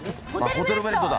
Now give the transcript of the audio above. ホテルブレットだ。